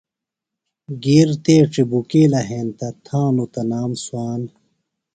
گِیر تیڇیۡ بُکِیلہ ہینتہ، تنام تھانوۡ تھےۡ صوان